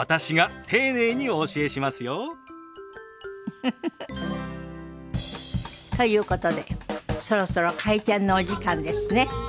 ウフフフ。ということでそろそろ開店のお時間ですね。